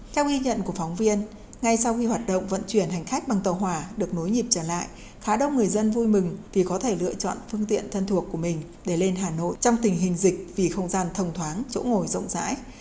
theo ghi nhận của phóng viên ngay sau khi hoạt động vận chuyển hành khách bằng tàu hỏa được nối nhịp trở lại khá đông người dân vui mừng vì có thể lựa chọn phương tiện thân thuộc của mình để lên hà nội trong tình hình dịch vì không gian thông thoáng chỗ ngồi rộng rãi